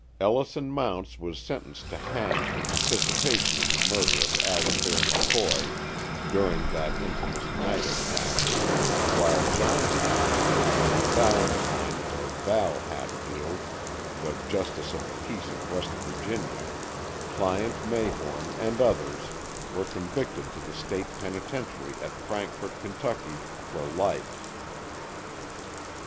Ellison Mounts was sentenced to hang for participation in the murder of Allifair McCoy during that infamous night attack, while Johns Hatfield, Valentine (Val) Hatfield, the "Justice of the Peace of West Virginia," Plyant Mayhorn, and others, were convicted to the State penitentiary at Frankfort, Kentucky, for life.